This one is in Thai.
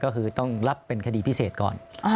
ก็คือต้องรับเป็นคดีพิเศษก่อน